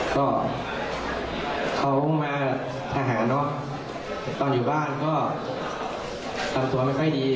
ก็เค้าเข้ามาทหารตอนอยู่บ้านก็คำตัวไม่ใช่ดี